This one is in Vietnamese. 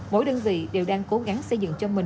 mỗi đơn vị đều đang cố gắng xây dựng cho mình